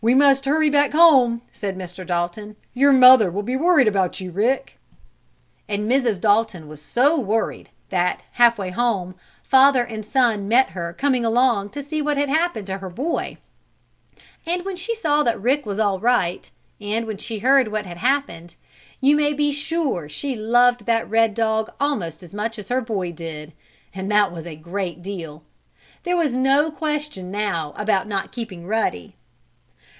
"We must hurry back home," said Mr. Dalton. "Your mother will be worried about you, Rick!" And Mrs. Dalton was so worried that, half way home, father and son met her coming along to see what had happened to her boy. And when she saw that Rick was all right, and when she heard what had happened, you may be sure she loved that red dog almost as much as her boy did; and that was a great deal! There was no question now about not keeping Ruddy.